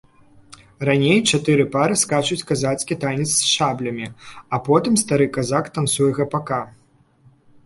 Раней чатыры пары скачуць казацкі танец з шаблямі, а потым стары казак танцуе гапака.